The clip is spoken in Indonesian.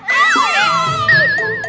kaku inget lu